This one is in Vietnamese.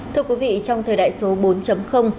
thưa quý vị trong thời đại số bốn